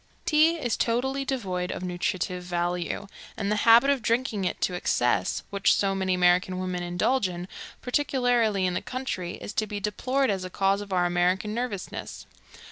Tea is totally devoid of nutritive value, and the habit of drinking it to excess, which so many American women indulge in, particularly in the country, is to be deplored as a cause of our American nervousness.